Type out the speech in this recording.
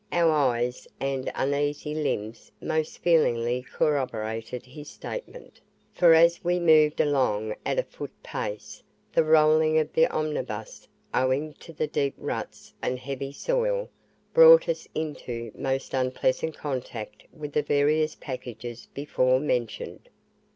Our eyes and uneasy limbs most FEELINGLY corroborated his statement, for as we moved along at a foot pace, the rolling of the omnibus, owing to the deep ruts and heavy soil, brought us into most unpleasant contact with the various packages before mentioned.